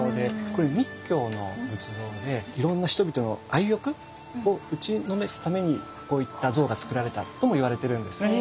これ密教の仏像でいろんな人々の愛欲を打ちのめすためにこういった像が造られたともいわれてるんですね。